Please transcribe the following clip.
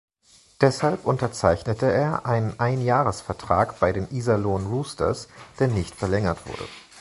Deshalb unterzeichnete er einen Einjahresvertrag bei den Iserlohn Roosters, der nicht verlängert wurde.